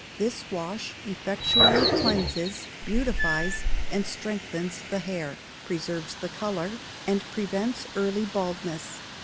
This wash effectually cleanses, beautifies, and strengthens the hair, preserves the colour, and prevents early baldness.